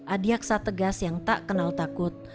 adiaksa tegas yang tak kenal takut